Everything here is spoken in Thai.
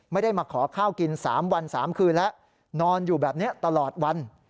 ไม่ได้มาขอข้าวกิน๓วัน๓คืนแล้วนอนอยู่แบบนี้ตลอดวัน